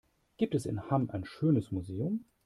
Gibt es in Hamm ein schönes Museum?